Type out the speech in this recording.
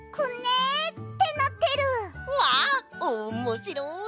わっおもしろい！